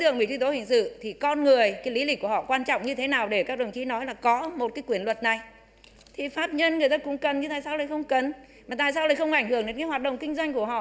nói chung pháp nhân cũng cần nhưng tại sao không cần tại sao không ảnh hưởng đến hoạt động kinh doanh của họ